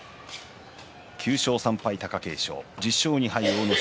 ９勝３敗貴景勝１０勝２敗阿武咲